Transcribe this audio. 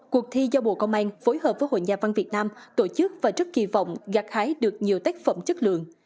cuộc thi do bộ công an phối hợp với hội nhà văn việt nam tổ chức và rất kỳ vọng gạt hái được nhiều tác phẩm chất lượng